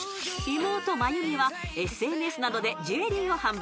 ［妹真弓はＳＮＳなどでジュエリーを販売］